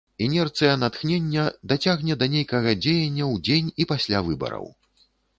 Інерцыя натхнення дацягне да нейкага дзеяння ў дзень і пасля выбараў.